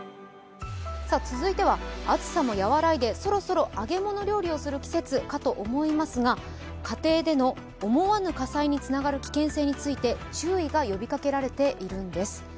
続いては暑さもやわらいでそろそろ揚げ物料理をする季節かと思いますが家庭での思わぬ火災につながる危険性について注意が呼びかけられているんです。